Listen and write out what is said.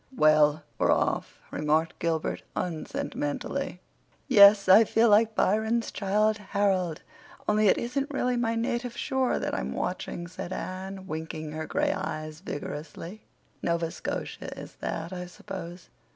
"Well, we're off," remarked Gilbert unsentimentally. "Yes, I feel like Byron's 'Childe Harold'—only it isn't really my 'native shore' that I'm watching," said Anne, winking her gray eyes vigorously. "Nova Scotia is that, I suppose.